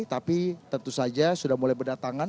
tapi tentu saja sudah mulai berdatangan